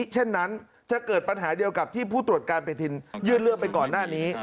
เช่นนั้นจะเกิดปัญหาเดียวกับที่ผู้ตรวจการปฏิทินยื่นเรื่องไปก่อนหน้านี้